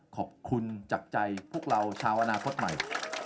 ขอบคุณจากใจพวกเราชาวอนาคตใหม่